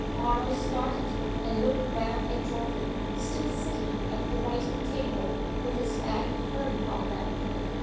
'" Arnold started, and looked round at Geoffrey still sitting at the writing table with his back turned on them.